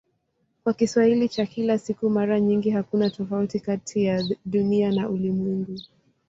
Kwa Kiswahili cha kila siku mara nyingi hakuna tofauti kati ya "Dunia" na "ulimwengu".